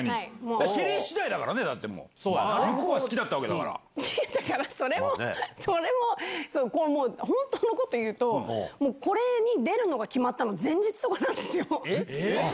ＳＨＥＬＬＹしだいだからね、だから、それも、それも、本当のこと言うと、もう、これに出るのが決まったの、前日とかなえっ？